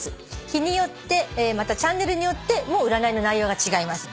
「日によってまたチャンネルによっても占いの内容が違います」